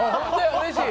うれしい。